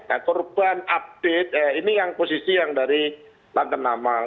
nah turban update ini yang posisi yang dari lantanamal